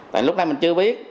tại lúc này mình chưa biết